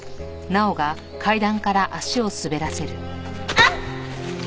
あっ！